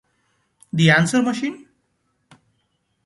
The Answer Machine?